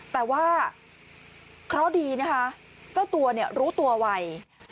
แต่ว่าเคราะดีนะฮะเจ้าตัวเนี่ยรู้ตัวไว